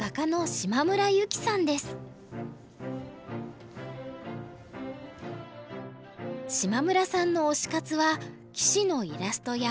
島村さんの推し活は棋士のイラストや漫画を描くこと。